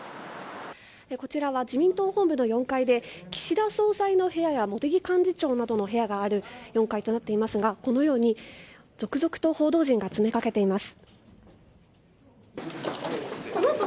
こちらは自民党本部の４階で岸田総裁の部屋や茂木幹事長などの部屋がある４階となっていますがこのように続々と報道陣が詰めかけています。